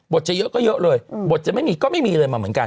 จะเยอะก็เยอะเลยบทจะไม่มีก็ไม่มีเลยมาเหมือนกัน